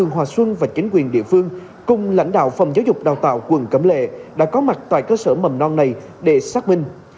hòa xuân và chính quyền địa phương cùng lãnh đạo phòng giáo dục đào tạo quận cẩm lệ đã có mặt tại cơ sở mầm non này để xác minh